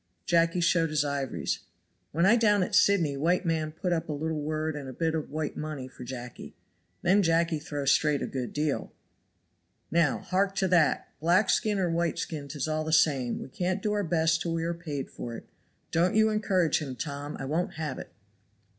Jacky showed his ivories. "When I down at Sydney white man put up a little wood and a bit of white money for Jacky. Then Jacky throw straight a good deal." "Now hark to that! black skin or white skin 'tis all the same; we can't do our best till we are paid for it. Don't you encourage him, Tom, I won't have it."